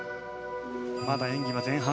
まだ演技は前半。